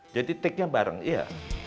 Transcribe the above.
take nya bareng iya